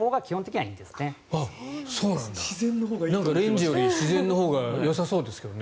なんかレンジより自然のほうがよさそうですけど。